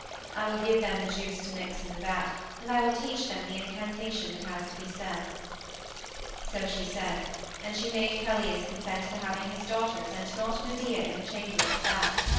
I will give them the juice to mix in the vat, and I will teach them the incantation that has to be said." So she said, and she made Pelias consent to having his daughters and not Medea in the chamber of the vat.